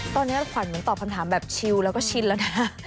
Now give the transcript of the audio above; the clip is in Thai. ตอนนี้ขวัญเหมือนตอบคำถามแบบชิลแล้วก็ชินแล้วนะ